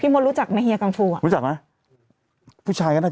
ไม่ข่าวชั่ว